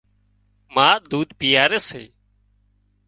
ما ۮوڌ پيئاري سي